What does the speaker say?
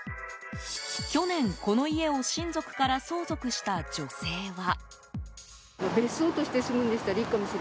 去年、この家を親族から相続した女性は。